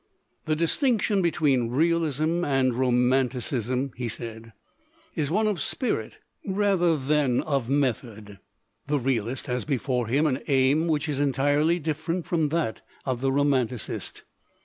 "The distinction between realism and roman ticism," he said, "is one of spirit rather than of method. The realist has before him an aim which is entirely different from that of the ro manticist.